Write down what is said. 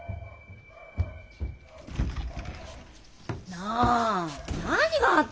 なあ何があったの？